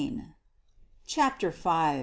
CHAPTER V.